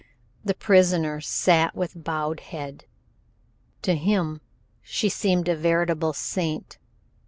The prisoner sat with bowed head. To him she seemed a veritable saint.